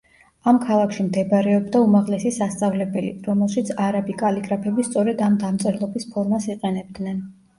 ამ ქალაქში მდებარეობდა უმაღლესი სასწავლებელი, რომელშიც არაბი კალიგრაფები სწორედ ამ დამწერლობის ფორმას იყენებდნენ.